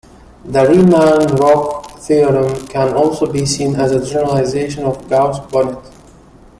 The Riemann-Roch theorem can also be seen as a generalization of Gauss-Bonnet.